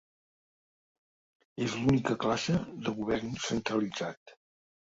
És l'única classe de govern centralitzat.